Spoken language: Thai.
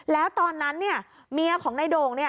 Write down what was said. แล้วตอนนั้นเนี่ยเมียของในโดง